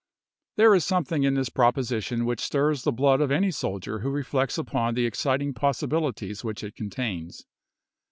Part I., pp. 34, 35. There is something in this proposition which stirs the blood of any soldier who reflects upon the exciting possibilities which it contains.